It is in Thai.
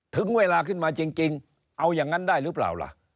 ถึงเวลาขึ้นมาจริงเอาอย่างนั้นได้หรือเปล่าล่ะ